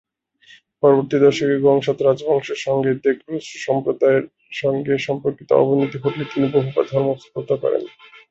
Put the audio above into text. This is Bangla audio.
পরবর্তী দশকে গ্ত্সাং-পা রাজবংশের সঙ্গে দ্গে-লুগ্স ধর্মসম্প্রদায়ের সঙ্গে সম্পর্কের অবনতি ঘটলে তিনি বহুবার মধ্যস্থতা করেন।